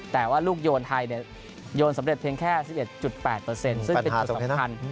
แต่ว่าลูกโยนไทยโยนสำเร็จเพียงแค่๑๑๘ซึ่งเป็นจุดสำคัญ